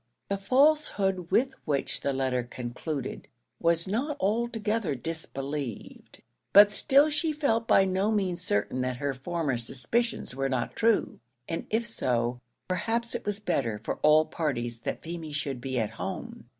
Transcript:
The falsehood with which the letter concluded was not altogether disbelieved; but still she felt by no means certain that her former suspicions were not true, and if so, perhaps it was better for all parties that Feemy should be at home.